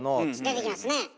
出てきますね。